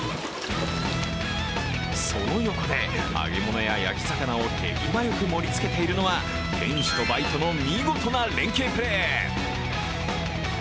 その横で、揚げ物や焼き魚を手際よく盛りつけているのは店主とバイトの見事な連係プレー。